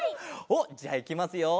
おっじゃあいきますよ。